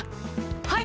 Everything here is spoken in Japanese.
はい！